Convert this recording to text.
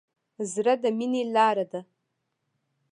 زړه د مینې لاره ده.